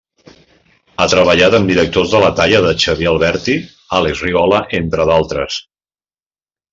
Ha treballat amb directors de la talla de Xavier Albertí, Àlex Rigola, entre d'altres.